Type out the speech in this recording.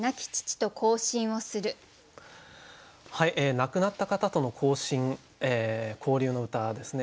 亡くなった方との交信交流の歌ですね。